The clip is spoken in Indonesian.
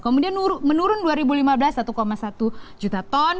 kemudian menurun dua ribu lima belas satu satu juta ton